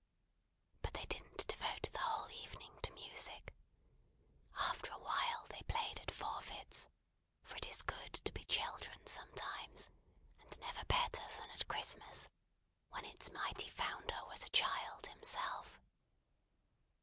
But they didn't devote the whole evening to music. After a while they played at forfeits; for it is good to be children sometimes, and never better than at Christmas, when its mighty Founder was a child himself.